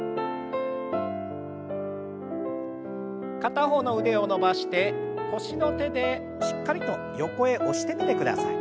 片方の腕を伸ばして腰の手でしっかりと横へ押してみてください。